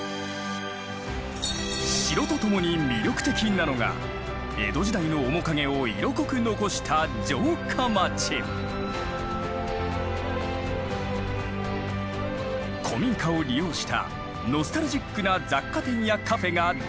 城とともに魅力的なのが江戸時代の面影を色濃く残した古民家を利用したノスタルジックな雑貨店やカフェが大人気なのだ。